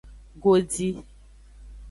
Godi.